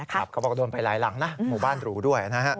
เขาบอกโดนไปหลายหลังนะหมู่บ้านหรูด้วยนะฮะ